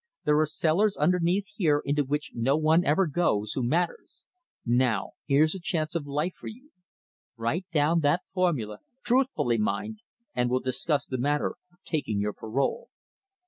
There are cellars underneath here into which no one ever goes who matters. Now here's a chance of life for you. Write down that formula truthfully, mind and we'll discuss the matter of taking your parole."